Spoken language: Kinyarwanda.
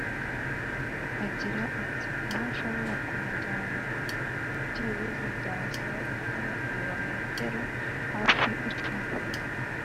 Agira ati “Aho nshobora kumujyana byibuze byansaba gukora ibirometero hafi icumi